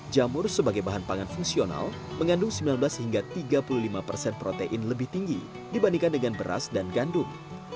jamur sebagai bahan pangan fungsional mengandung sembilan belas hingga tiga puluh lima persen protein lebih tinggi dibandingkan dengan beras dan gandum